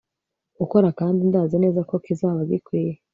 gukora kandi ndazi neza ko kizaba gikwiye